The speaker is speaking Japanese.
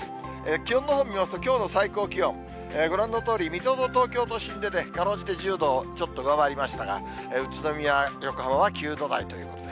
気温のほう見ますと、きょうの最高気温、ご覧のとおり水戸と東京都心でかろうじて１０度ちょっと上回りましたが、宇都宮、横浜は９度台ということで。